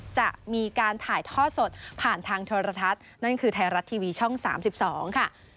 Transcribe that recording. จะมีการถ่ายท่อสดผ่านทางโทรทัศน์นั่นคือไทยรัฐทีวีช่อง๓๒ค่ะ